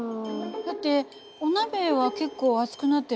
だってお鍋は結構熱くなってるのにね。